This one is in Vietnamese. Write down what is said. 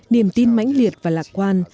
niềm tin mãnh liệt và lạc quan